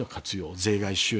税外収入。